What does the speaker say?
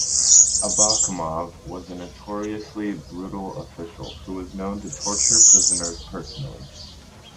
Abakumov was a notoriously brutal official who was known to torture prisoners personally.